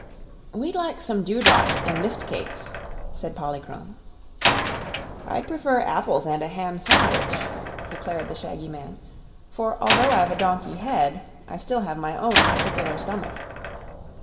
"We'd like some dewdrops and mist cakes," said Polychrome. "I'd prefer apples and a ham sandwich," declared the shaggy man, "for although I've a donkey head, I still have my own particular stomach."